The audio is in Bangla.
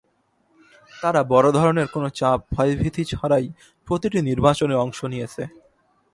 তারা বড় ধরনের কোনো চাপ, ভয়ভীতি ছাড়াই প্রতিটি নির্বাচনে অংশ নিয়েছে।